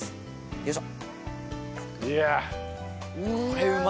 よいしょ！